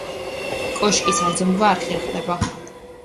კოშკის აზომვა არ ხერხდება.